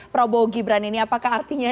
prabowo gibran ini apakah artinya